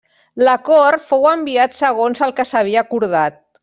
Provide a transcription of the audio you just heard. L'acord fou enviat segons el que s'havia acordat.